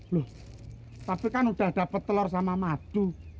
loh tapi kan udah dapet telur sama madu